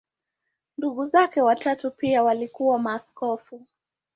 Ndugu zake watatu pia walikuwa maaskofu.